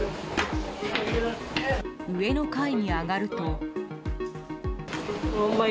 上の階に上がると。